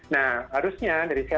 nah harusnya dari saya